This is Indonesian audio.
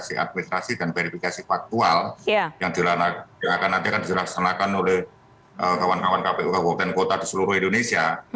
aksi administrasi dan verifikasi faktual yang akan nanti akan dilaksanakan oleh kawan kawan kpu kabupaten kota di seluruh indonesia